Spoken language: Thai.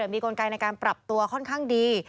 มีกลไกในการปรับตัวค่อนข้างดี